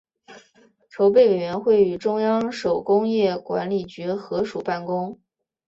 筹备委员会与中央手工业管理局合署办公。